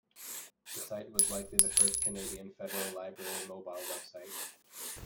The site was likely the first Canadian federal library mobile website.